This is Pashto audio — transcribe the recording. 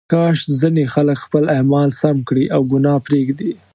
کاش ځینې خلک خپل اعمال سم کړي او ګناه پرېږدي.